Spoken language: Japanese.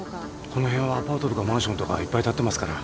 この辺はアパートとかマンションとかいっぱい立ってますから。